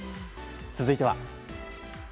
続いては。